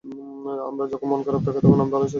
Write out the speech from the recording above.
তার যখন মন খারাপ থাকে, আমি ভালো করার চেষ্টা করি।